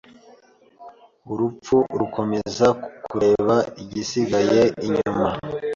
Urupfu rukomeza kureba igisigaye inyuma